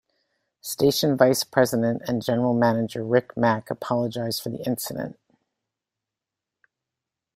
Station vice-president and General Manager Rick Mack apologized for the incident.